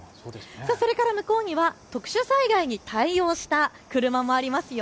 それから向こうには特殊災害に対応した車もありますよ。